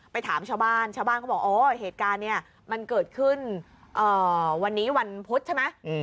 ถามชาวบ้านชาวบ้านเขาบอกโอ้เหตุการณ์เนี่ยมันเกิดขึ้นวันนี้วันพุธใช่ไหม